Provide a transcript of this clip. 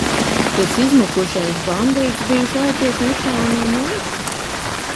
Tas izmukušais bandīts bija slēpies netālu no mums!